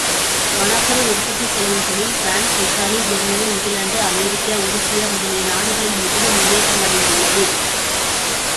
மணப்பொருள் உற்பத்தி செய்யும் தொழில், France, Italy, Germany, England, America, உருசியா முதலிய நாடுகளில் மிகவும் முன்னேற்றமடைந்துள்ளது.